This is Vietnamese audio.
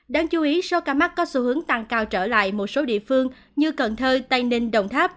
đáng chú ý số ca mắc có xu hướng tăng cao trở lại một số địa phương như cần thơ tây ninh đồng tháp